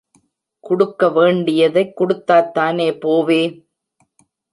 குடுக்கவேண்டியதைக் குடுத்தாத்தான் போவே.